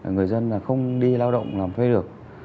người dân không đi lao động làm phê được